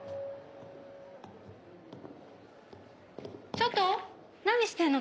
ちょっと何してるの？